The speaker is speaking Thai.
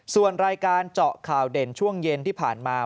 ส่วนรายการเจาะข่าวเด่นช่วงเย็นที่ผ่านมา